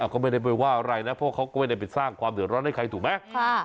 ก็ไม่ได้ไปว่าอะไรนะเพราะเขาก็ไม่ได้ไปสร้างความเดือดร้อนให้ใครถูกไหม